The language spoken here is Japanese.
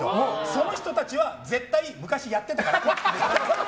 その人たちは絶対に昔やってたからだなと。